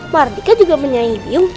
mahardika juga menyayangi biung